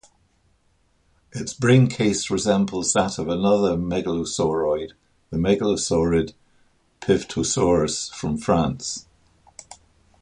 Its braincase resembles that of another megalosauroid, the megalosaurid "Piveteausaurus" from France.